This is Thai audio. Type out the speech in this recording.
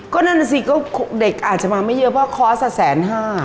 ก็นั่นน่ะสิก็เด็กอาจจะมาไม่เยอะเพราะคอร์สละแสนห้า